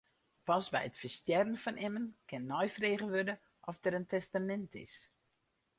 Pas by it ferstjerren fan immen kin neifrege wurde oft der in testamint is.